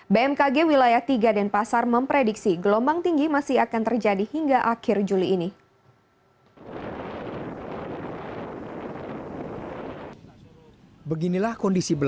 bmkg wilayah tiga denpasar memprediksi gelombang tinggi masih akan terjadi hingga akhir juli ini